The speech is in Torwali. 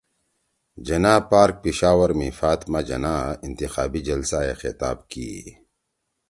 جناح پارک پشاور می فاطمہ جناح انتخابی جلسہ ئے خطاب کی